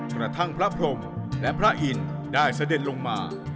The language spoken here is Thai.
กระทั่งพระพรมและพระอินทร์ได้เสด็จลงมา